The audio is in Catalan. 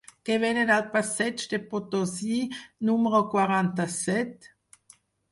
Què venen al passeig de Potosí número quaranta-set?